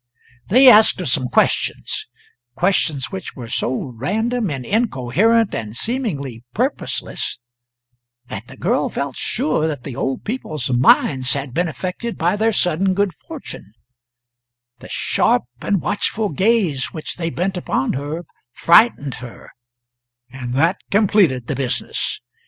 They asked her some questions questions which were so random and incoherent and seemingly purposeless that the girl felt sure that the old people's minds had been affected by their sudden good fortune; the sharp and watchful gaze which they bent upon her frightened her, and that completed the business.